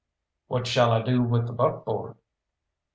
"What shall I do with the buckboard?"